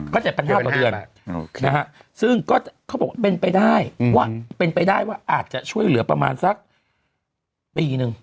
ก็๗๕๐๐ต่อเดือนซึ่งก็เขาบอกเป็นไปได้ว่าเป็นไปได้ว่าอาจจะช่วยเหลือประมาณสักปีนึง